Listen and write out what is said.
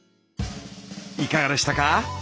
いかがでしたか？